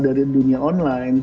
dari dunia online